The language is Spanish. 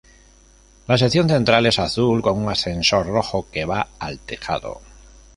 La sección central es azul con un ascensor rojo que va al tejado.